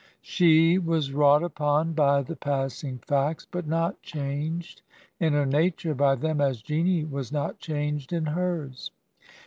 She was wrought upon by the passing facts, but not changed in her nature by them, as Jeanie was not changed in hers.